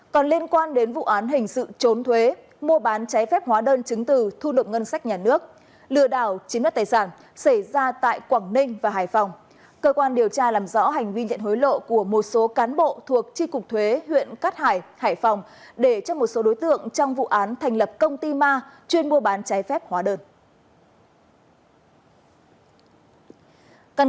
còn liên quan đến vụ án hình sự trốn thuế mua bán trái phép hóa đơn chứng từ thu lộng ngân sách nhà nước lừa đảo chiếm đất tài sản xảy ra tại quảng ninh và hải phòng cơ quan điều tra làm rõ hành vi nhận hối lộ của một số cán bộ thuộc tri cục thuế huyện cát hải hải phòng để cho một số đối tượng trong vụ án thành lập công ty ma chuyên mua bán trái phép hóa đơn